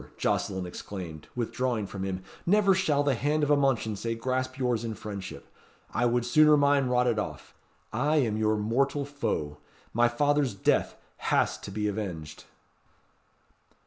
Jocelyn exclaimed, withdrawing from him, "never shall the hand of a Mounchensey grasp yours in friendship! I would sooner mine rotted off! I am your mortal foe. My father's death has to be avenged."